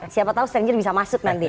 siapa tahu stranger bisa masuk nanti